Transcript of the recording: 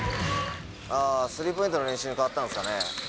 スリーポイントの練習に変わったんですかね。